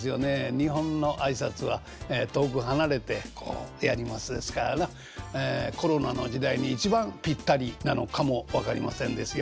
日本の挨拶は遠く離れてこうやりますですからなコロナの時代に一番ぴったりなのかも分かりませんですよ。